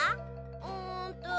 うんと。